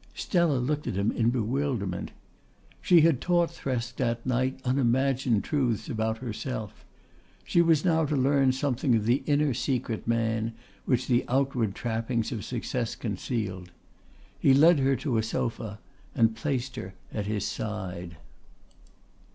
Stella looked at him in bewilderment. She had taught Thresk that night unimagined truths about herself. She was now to learn something of the inner secret man which the outward trappings of success concealed. He led her to a sofa and placed her at his side.